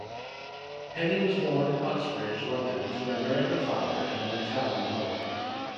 Penny was born in Uxbridge, London to an American father and an Italian mother.